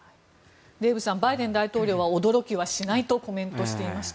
デーブさんバイデン大統領は驚きはしないとコメントしていました。